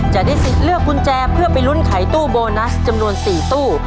จะได้สิทธิ์เลือกกุญแจเพื่อไปลุ้นไขตู้โบนัสจำนวน๔ตู้